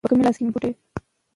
هغه د سدوزیو لپاره توره ووهله.